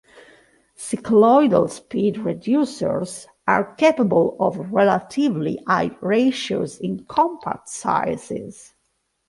Cycloidal speed reducers are capable of relatively high ratios in compact sizes.